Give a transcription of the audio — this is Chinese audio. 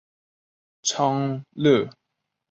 昌乐县境内有齐国故都营丘遗址。